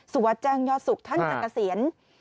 สุวจังยศุกร์ท่านจังกระเสียน